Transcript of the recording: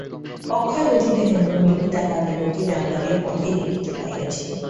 অক্ষয় বুঝিল, হেমনলিনী তাহাদিগকে জানালা দিয়া পথেই দেখিতে পাইয়াছিল।